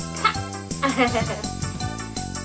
アハハハ。